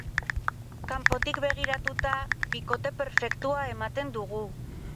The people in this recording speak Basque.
Kanpotik begiratuta, bikote perfektua ematen dugu.